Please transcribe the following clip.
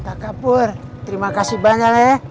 kak kapur terima kasih banyak ya